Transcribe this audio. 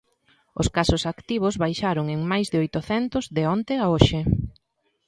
Os casos activos baixaron en máis de oitocentos, de onte a hoxe.